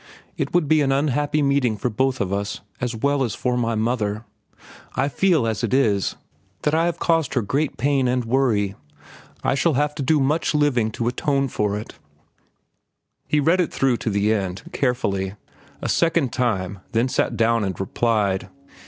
"It would be an unhappy meeting for both of us, as well as for my mother. I feel, as it is, that I have caused her great pain and worry. I shall have to do much living to atone for it." He read it through to the end, carefully, a second time, then sat down and replied.